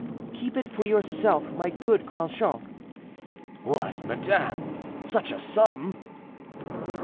"Keep it for yourself, my good Grandchamp." "What, madame, such a sum?"